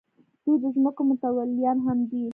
دوی د ځمکو متولیان هم دي.